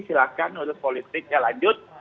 silahkan untuk politiknya lanjut